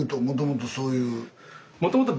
もともとそういう？